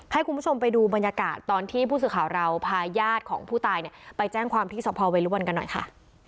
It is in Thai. ให้คุณผู้ชมไปดูบรรยากาศตอนที่ผู้สื่อข่าวเราพาญาติของผู้ตายเนี่ยไปแจ้งความที่สพเวรุวันกันหน่อยค่ะ